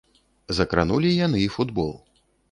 Закранулі яны і футбол.